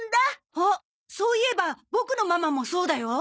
あっそういえばボクのママもそうだよ。